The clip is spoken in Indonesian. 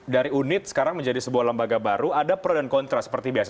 dari unit sekarang menjadi sebuah lembaga baru ada pro dan kontra seperti biasa